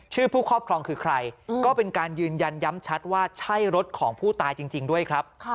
ผู้ครอบครองคือใครก็เป็นการยืนยันย้ำชัดว่าใช่รถของผู้ตายจริงด้วยครับ